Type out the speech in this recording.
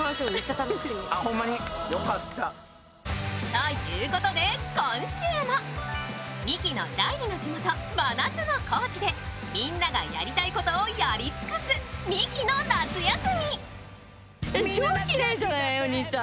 ということで今週もミキの第二の地元、真夏の高知でみんながやりたいことをやり尽くす、ミキの夏休み。